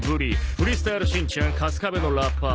「フリースタイルしんちゃんカスカベのラッパー」